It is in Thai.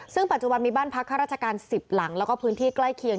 ซึ่งปัจจุบันมีบ้านพักข้าราชการ๑๐หลังแล้วก็พื้นที่ใกล้เคียง